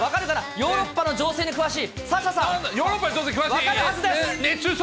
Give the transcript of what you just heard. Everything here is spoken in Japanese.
ヨーロッパの情勢に詳しい？